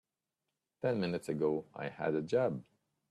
Ten minutes ago I had a job.